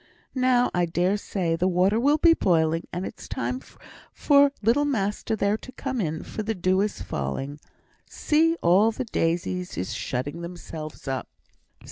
Now, I dare say, the water will be boiling; and it's time for little master there to come in, for the dew is falling. See, all the daisies is shutting themselves up."